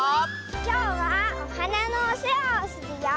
きょうはおはなのおせわをするよ！